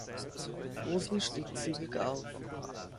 Rosen stieg zügig auf.